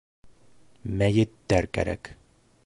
Мәйеттәр кәрәк.